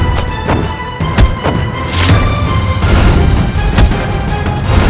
siapa ini ada di kolam kapal